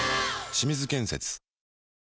清水建設